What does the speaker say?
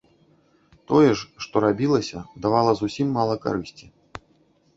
Тое ж, што рабілася, давала зусім мала карысці.